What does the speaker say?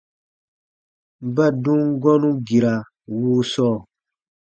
Ba dum gɔ̃nu gira wuu sɔɔ.